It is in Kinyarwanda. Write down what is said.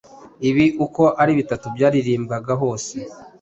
Ibi uko ari bitatu byaririmbwaga hose,